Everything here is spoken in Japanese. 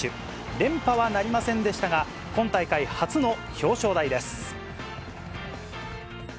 連覇はなりませんでしたが、今大会初の表彰台です。